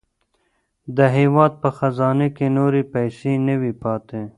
د هېواد په خزانې کې نورې پیسې نه وې پاتې.